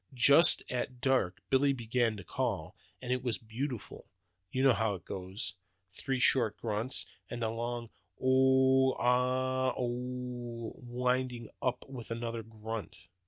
Just at dark Billy began to call, and it was beautiful. You know how it goes. Three short grunts, and then a long ooooo aaaa ooooh, winding up with another grunt!